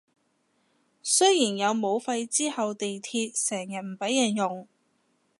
雖然有武肺之後地鐵成日唔畀人用